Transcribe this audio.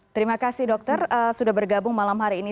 terima kasih dokter sudah bergabung malam hari ini